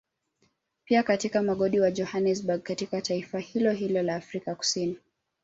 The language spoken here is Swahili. Pia katika mgodi wa Johanesberg katika taifa la hilohilo la Afrika kusini